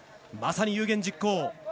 まさに有言実行。